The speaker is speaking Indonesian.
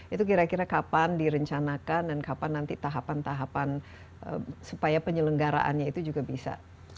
itu kira kira kapan direncanakan dan kapan nanti tahapan tahapan supaya penyelenggaraannya itu juga bisa